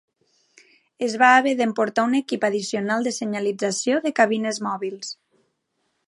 Es va haver d'emportar un equip addicional de senyalització de cabines mòbils.